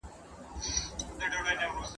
هغه ژړ مازیګری دی هغه ډلي د زلمیو !.